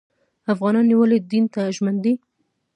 افغانان ولې دین ته ژمن دي؟